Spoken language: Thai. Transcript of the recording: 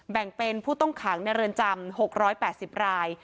แบ่งเป็นผู้ต้องขังในเรือนจำ๖๘๐ราย